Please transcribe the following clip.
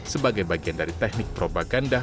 sebagai bagian dari teknik propaganda